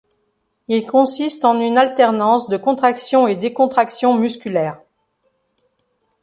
Ils consistent en une alternance de contraction et décontraction musculaire.